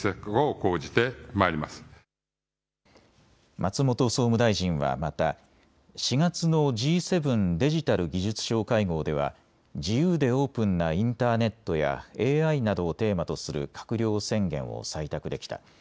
松本総務大臣はまた４月のＧ７デジタル・技術相会合では自由でオープンなインターネットやＡＩなどをテーマとする閣僚宣言を採択できた。